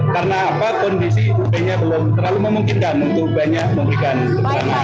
karena apa kondisi ub nya belum terlalu memungkinkan untuk ub nya memberikan